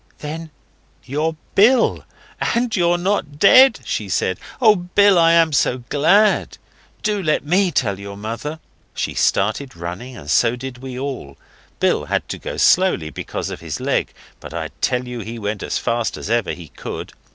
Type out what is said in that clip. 'Then you're Bill, and you're not dead,' she said. 'Oh, Bill, I am so glad! Do let ME tell your mother.' She started running, and so did we all. Bill had to go slowly because of his leg, but I tell you he went as fast as ever he could.